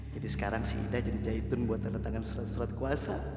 jadi sekarang si hidah jadi jahitun buat datangkan surat surat kuasa